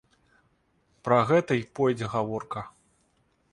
Пра гэта і пойдзе гаворка.